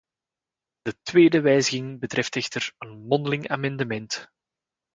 De tweede wijziging betreft echter een mondeling amendement.